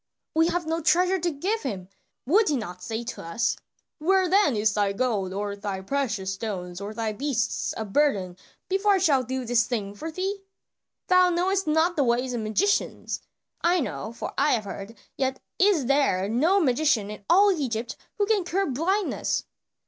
"We have no treasure to give him; would he not say to us, 'Where then is thy gold, or thy precious stones, or thy beasts of burden, before I shall do this thing for thee?' Thou knowest not the ways of magicians; I know, for I have heard, yet is there no magician in all Egypt who can cure blindness."